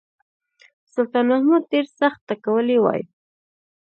سلطان محمود ډېر سخت ټکولی وای.